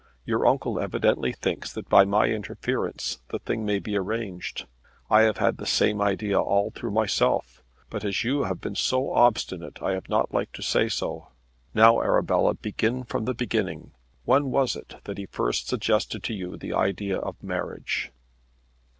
Your uncle evidently thinks that by my interference the thing may be arranged. I have had the same idea all through myself, but as you have been so obstinate I have not liked to say so. Now, Arabella, begin from the beginning. When was it that he first suggested to you the idea of marriage?"